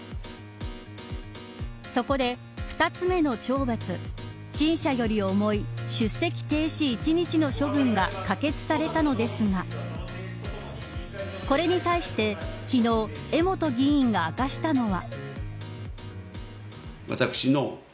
そこで、２つ目の懲罰陳謝より重い出席停止１日の処分が可決されたのですがこれに対して昨日江本議員が明かしたのは。